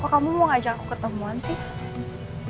oh kamu mau ngajak aku ketemuan sih